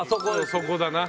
そこだな。